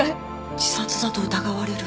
自殺だと疑われる。